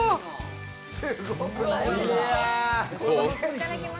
いただきます。